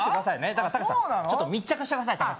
だからちょっと密着してくださいあっ